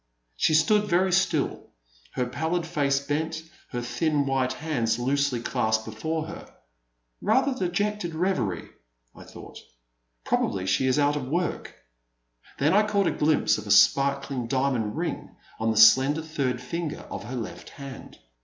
She stood very still, her pallid face bent, her thin white hands loosely clasped before her. *' Rather dejected reverie,'* I thought, prob ably she *s out of work.'* Then I caught a glimpse of a sparkling diamond ring on the slen der third finger of her left hand.